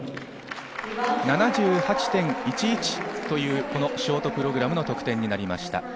７８．１１というショートプログラムの得点になりました。